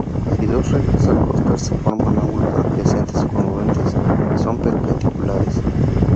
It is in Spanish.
Si dos rectas al cortarse forman ángulos adyacentes congruentes, son perpendiculares.